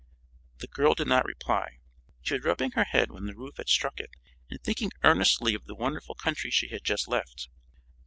The girl did not reply. She was rubbing her head where the roof had struck it and thinking earnestly of the wonderful country she had just left.